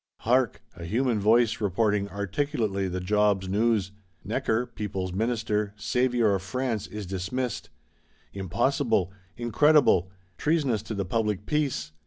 —Hark! a human voice reporting articulately the Job's news: Necker, People's Minister, Saviour of France, is dismissed. Impossible; incredible! Treasonous to the public peace!